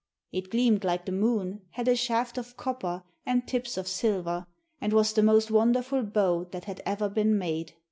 It gleamed like the moon, had a shaft of copper and tips of silver, and was the most wonderful bow that had ever been made.